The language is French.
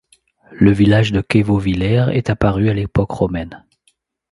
Le village de Quevauvillers est apparu à l'époque romaine.